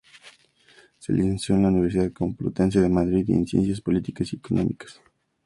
Se licenció en la Universidad Complutense de Madrid, en Ciencias Políticas y Económicas.